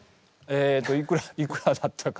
えっといくらだったかな？